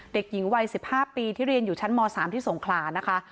เด็กหญิงวัย๑๕ปีที่เรียนอยู่ชั้นม๓ที่สงขลานะคะ